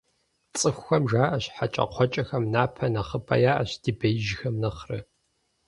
ЦӀыхухэм жаӀащ: - ХьэкӀэкхъуэкӀэхэм напэ нэхъыбэ яӀэщ, ди беижьхэм нэхърэ!